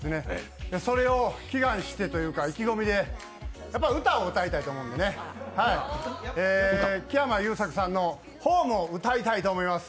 それを祈願してというか、意気込みでやっぱり歌を歌いたいと思うんでね、木山裕策さんの「ｈｏｍｅ」を歌いたいと思います。